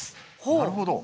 なるほど。